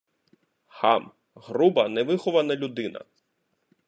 Хам — груба, невихована людина